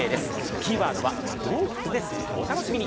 キーワードは洞窟です、お楽しみに！